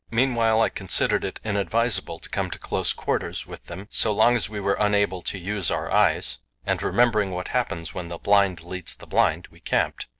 Meanwhile I considered it inadvisable to come to close quarters with them so long as we were unable to use our eyes, and, remembering what happens when the blind leads the blind, we camped.